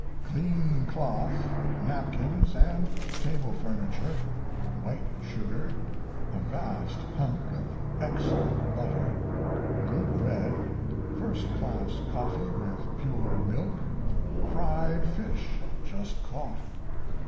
Clean cloth, napkins & table furniture, white sugar, a vast hunk of excellent butter, good bread, first class coffee with pure milk, fried fish just caught.